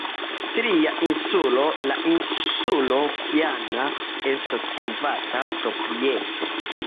Tria insulo, la insulo Piana, estas privata proprieto.